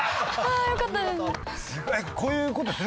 よかったです。